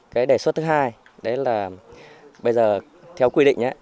cái đề xuất thứ hai đấy là bây giờ theo quy định